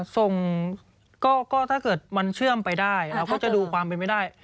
ส่งก็ถ้าเกิดมันเชื่อมไปได้เราก็จะดูความเป็นไม่ได้